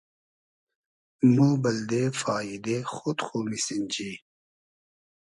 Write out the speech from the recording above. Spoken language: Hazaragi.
مۉ بئلدې فاییدې خۉد خو میسینجی